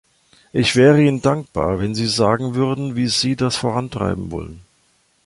Ich wäre Ihnen dankbar, wenn Sie sagen würden, wie Sie das vorantreiben wollen.